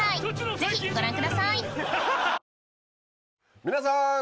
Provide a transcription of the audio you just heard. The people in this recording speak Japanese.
ぜひご覧ください皆さん！